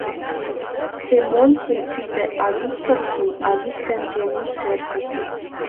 Семонжын тиде, а Виктыржын — Алик ден Генуш эргыже.